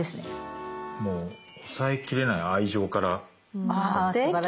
もう抑えきれない愛情から。